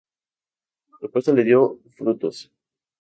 Su apuesta le dio frutos.